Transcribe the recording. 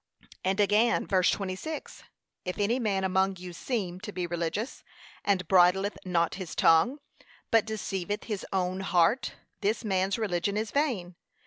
And again, verse 26, 'If any man among you seem to be religious, and bridleth not his tongue, but deceiveth his own heart, this man's religion is vain.'